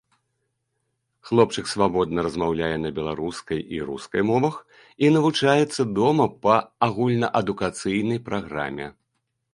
Хлопчык свабодна размаўляе на беларускай і рускай мовах і навучаецца дома па агульнаадукацыйнай праграме.